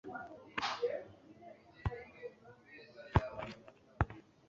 Banki Nkuru y u Rwanda mu ngingo